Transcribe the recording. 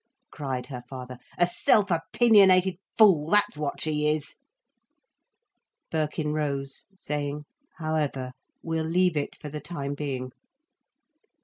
cried her father. "A self opinionated fool, that's what she is." Birkin rose, saying: "However, we'll leave it for the time being."